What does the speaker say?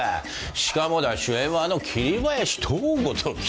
しかもだ主演はあの桐林藤吾ときたよ。